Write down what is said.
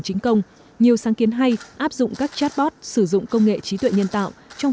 chính công nhiều sáng kiến hay áp dụng các chatbot sử dụng công nghệ trí tuệ nhân tạo trong